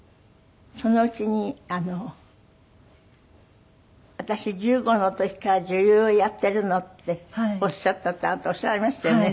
そのうちにあの「私１５の時から女優をやってるの」っておっしゃったってあなたおっしゃられましたよね。